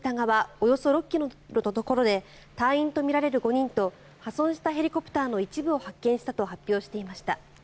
およそ６ｋｍのところで隊員とみられる５人と破損したヘリコプターの一部を発見したと発表していました。